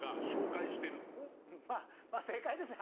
まあ正解ですね。